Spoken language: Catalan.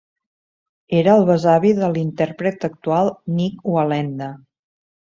Era el besavi de l'intèrpret actual Nik Wallenda.